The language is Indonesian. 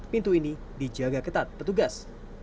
pintu ini dijaga ketat petugas